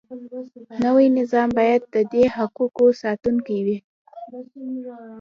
نوی نظام باید د دې حقوقو ساتونکی وي.